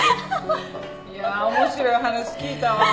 いや面白い話聞いたわ。